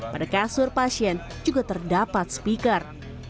pada kasur pasien juga terdapat speaker